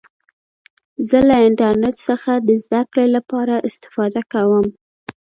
زه له انټرنټ څخه د زدهکړي له پاره استفاده کوم.